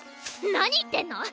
何言ってんの？